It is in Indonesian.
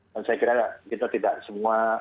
dan saya kira kita tidak semua